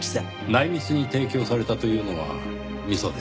内密に提供されたというのがミソですねぇ。